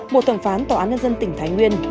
một thẩm phán tòa án nhân dân tỉnh thái nguyên